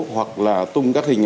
hoặc là tung các hình ảnh